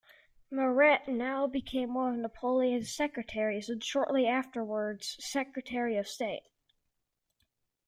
Maret now became one of Napoleon's secretaries and shortly afterwards Secretary of State.